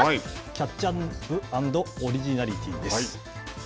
キャッチアップ＆オリジナルティーです。